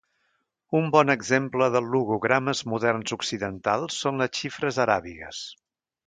Un bon exemple de logogrames moderns occidentals són les xifres aràbigues.